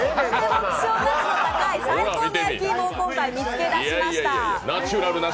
希少価値の高い最高の焼き芋を今回見つけ出しました。